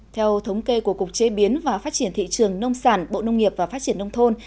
theo thống kê của cục chế biến và phát triển thị trường nông sản bộ nông nghiệp và phát triển nông thôn